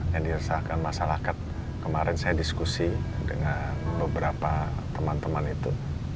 yang diersahkan masalah kat kemarin saya diskusi dengan beberapa teman teman itu